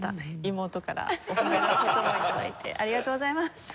妹からお褒めの言葉を頂いてありがとうございます。